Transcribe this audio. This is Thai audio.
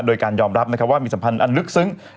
โดยการยอมรับว่ามีสัมพันธ์อันลึกซึ้ง